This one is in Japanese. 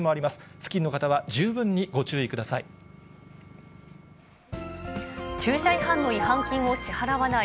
付近の方は十分にご注意ください。